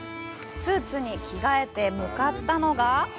スーツに着替えて向かったのが？